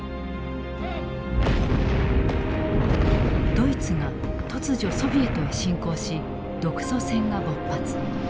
ドイツが突如ソビエトへ侵攻し独ソ戦が勃発。